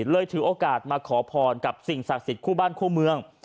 ถือโอกาสมาขอพรกับสิ่งศักดิ์สิทธิ์คู่บ้านคู่เมือง